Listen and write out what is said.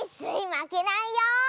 まけないよ！